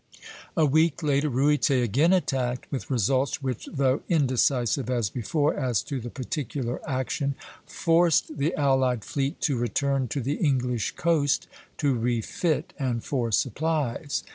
A week later Ruyter again attacked, with results which, though indecisive as before as to the particular action, forced the allied fleet to return to the English coast to refit, and for supplies.